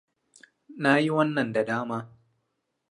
Na yi wannan da dama.